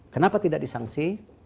kenapa tidak disangsi